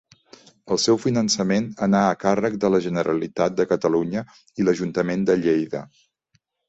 El seu finançament anà a càrrec de la Generalitat de Catalunya i l'Ajuntament de Lleida.